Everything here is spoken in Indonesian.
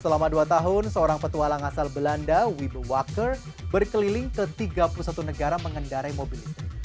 selama dua tahun seorang petualang asal belanda wibowo wacker berkeliling ke tiga puluh satu negara mengendarai mobil listrik